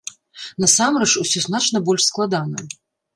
Насамрэч, усё значна больш складана.